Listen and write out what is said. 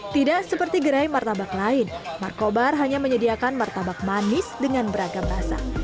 tidak seperti gerai martabak lain markobar hanya menyediakan martabak manis dengan beragam rasa